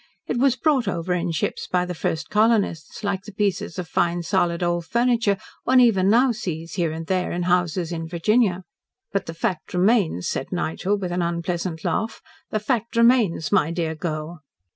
It was brought over in ships by the first colonists like the pieces of fine solid old furniture, one even now sees, here and there, in houses in Virginia." "But the fact remains," said Nigel, with an unpleasant laugh, "the fact remains, my dear girl."